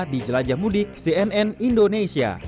di jelajah mudik cnn indonesia